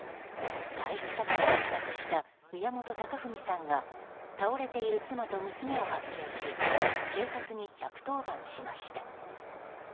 外出先から帰宅した宮本隆文さんが倒れている妻と娘を発見し警察に１１０番しました。